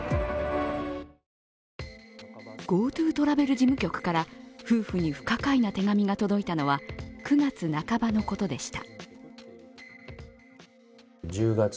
ＧｏＴｏトラベル事務局から夫婦に不可解な手紙が届いたのは９月半ばのことでした。